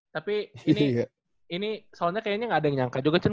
tapi ini soalnya kayaknya nggak ada yang nyangka juga cen